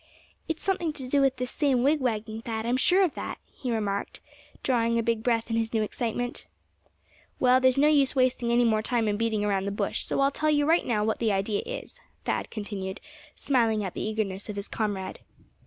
"It's something to do with this same wigwagging, Thad, I'm sure of that?" he remarked, drawing a big breath in his new excitement. "Well, there's no use wasting any more time in beating around the bush, so I'll tell you right now what the idea is," Thad continued, smiling at the eagerness of his comrade.